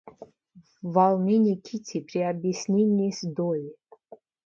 Волнение Кити при объяснении с Долли.